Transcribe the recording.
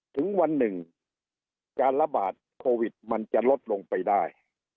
ถึงวันหนึ่งการระบาดโควิดมันจะลดลงไปได้